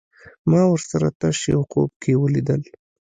ما ورسره تش يو خوب کې وليدل